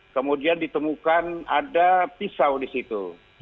kemudian ditemukan ada pisau di situ